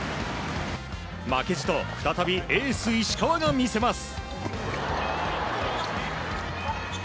負けじと再びエース石川が見せます。